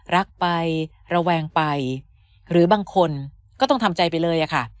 รักไประแวงไปหรือบางคนก็ต้องทำใจไปเลยอะค่ะ